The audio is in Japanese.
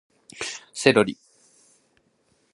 セロリ